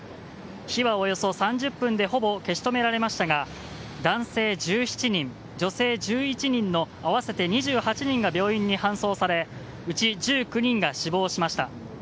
火はおよそ３０分でほぼ消し止められましたが男性１７人、女性１１人の合わせて２８人が病院に搬送されうち１９人が死亡しました。